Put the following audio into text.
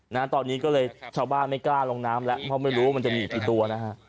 นะฮะตอนนี้ก็เลยชาวบ้านไม่กล้าลงน้ำแล้วเพราะไม่รู้ว่ามันจะมีอีกกี่ตัวนะฮะ